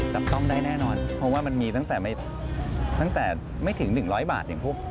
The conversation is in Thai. จับต้องได้แน่นอนเพราะว่ามันมีตั้งแต่ตั้งแต่ไม่ถึง๑๐๐บาท